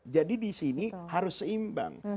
jadi di sini harus seimbang